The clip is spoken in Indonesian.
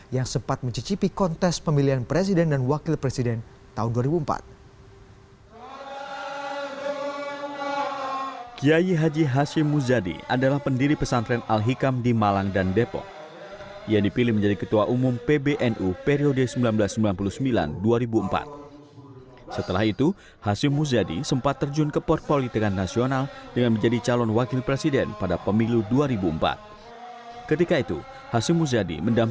yang sempat mencicipi kontes pemilihan presiden dan wakil presiden tahun dua ribu empat